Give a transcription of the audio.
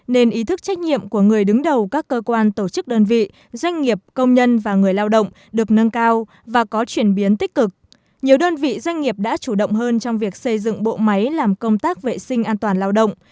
nhiều đơn vị doanh nghiệp đã chủ động hơn trong việc xây dựng bộ máy làm công tác vệ sinh an toàn lao động